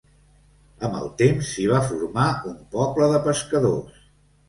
Amb el temps s'hi va formar un poble de pescadors.